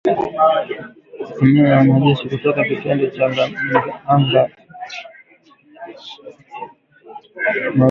Mamia ya wanajeshi kutoka kitengo cha anga namba themanini na mbili cha Marekani